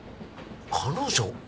彼女？